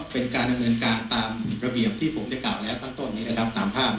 เป็นการเงินการตามระเบียบที่ผมได้กล่าวตามภาพ